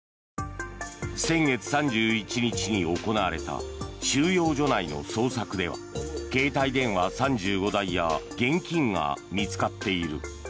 先月３１日に行われた収容所内の捜索では携帯電話３５台や現金が見つかっている。